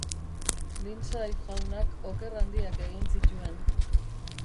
Lindsay jaunak oker handiak egin zituen.